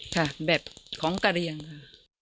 ค่ะแบบของกะเรียงค่ะ